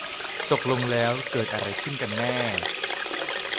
ตกลงแล้วเกิดอะไรขึ้นกันแน่